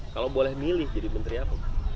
kalau boleh milih jadi menteri apa